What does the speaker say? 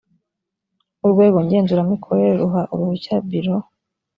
urwego ngenzuramikorere ruha uruhushya biro